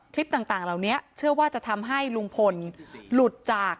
คลิปต่างเหล่านี้เชื่อว่าจะทำให้ลุงพลหลุดจาก